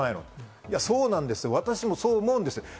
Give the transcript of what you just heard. って、いやそうなんですよ、私もそう思うんですよ。